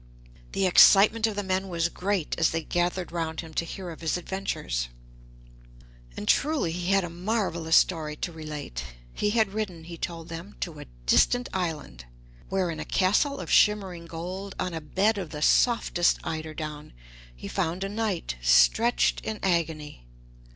The excitement of the men was great as they gathered round him to hear of his adventures. And truly he had a marvellous story to relate. He had ridden, he told them, to a distant island, where in a castle of shimmering gold, on a bed of the softest eiderdown, he found a knight stretched in agony.